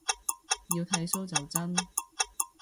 要剃鬚就真